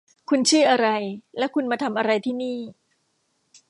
คุณชื่ออะไรและคุณมาทำอะไรที่นี่